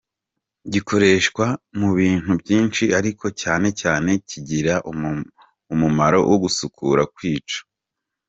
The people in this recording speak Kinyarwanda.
gikoreshwa mu bintu byinshi ariko cyane cyane kigira umumaro wo gusukura, kwica